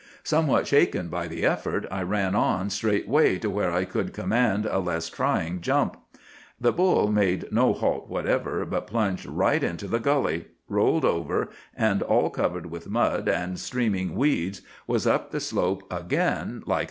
Somewhat shaken by the effort, I ran on straightway to where I could command a less trying jump. "The bull made no halt whatever, but plunged right into the gully, rolled over, and all covered with mud and streaming weeds was up the slope again like a cat.